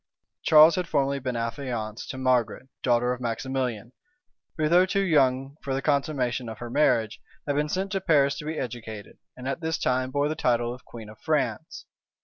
Charles had formerly been affianced to Margaret, daughter of Maximilian; who, though too young for the consummation of her marriage, had been sent to Paris to be educated, and at this time bore the title of queen of France.